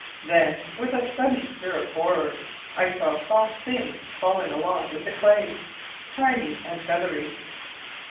Then with a sudden stir of horror I saw soft things falling along with the clay, tiny and feathery.